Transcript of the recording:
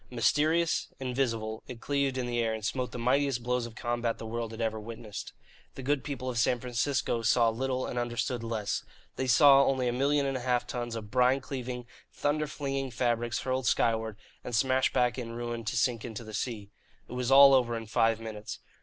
Mysterious, invisible, it cleaved the air and smote the mightiest blows of combat the world had ever witnessed. The good people of San Francisco saw little and understood less. They saw only a million and a half tons of brine cleaving, thunder flinging fabrics hurled skyward and smashed back in ruin to sink into the sea. It was all over in five minutes.